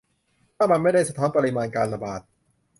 ถ้ามันไม่ได้สะท้อนปริมาณการระบาด